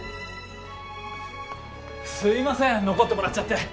すいません残ってもらっちゃって。